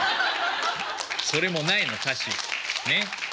それもないの歌詞ねっ。